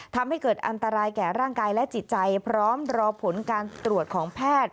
ทำให้เกิดอันตรายแก่ร่างกายและจิตใจพร้อมรอผลการตรวจของแพทย์